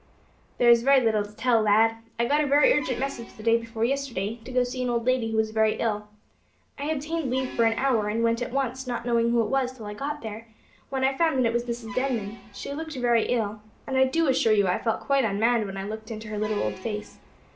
"There is very little to tell, lad. I got a very urgent message the day before yesterday to go to see an old lady who was very ill. I obtained leave for an hour, and went at once, not knowing who it was till I got there, when I found that it was Mrs Denman. She looked very ill, and I do assure you I felt quite unmanned when I looked into her little old face.